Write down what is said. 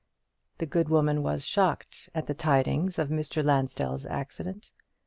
The good woman was shocked at the tidings of Mr. Lansdell's accident.